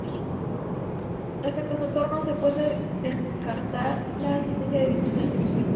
Respecto a su entorno, se puede destacar la existencia de diversos yacimientos prehistóricos.